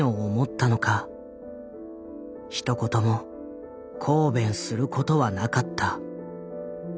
ひと言も抗弁することはなかった。